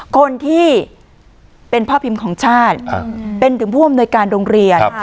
คนที่เป็นพ่อพิมพ์ของชาติเป็นถึงผู้อำนวยการโรงเรียน